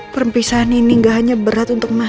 perpisahan ini gak hanya berat untuk mas al